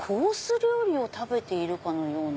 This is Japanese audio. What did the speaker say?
料理を食べているかのような」。